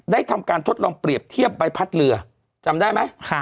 ทำการทดลองเปรียบเทียบใบพัดเรือจำได้ไหม